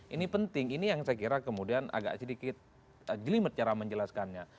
ini penting ini yang saya kira kemudian agak sedikit jelimet cara menjelaskannya